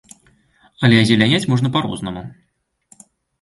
Але азеляняць можна па-рознаму.